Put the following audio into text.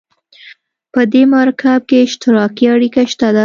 په دې مرکب کې اشتراکي اړیکه شته ده.